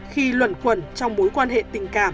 khi luẩn quẩn trong mối quan hệ tình cảm